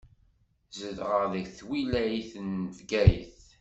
Zedɣeɣ deg twilayt n Bgayet.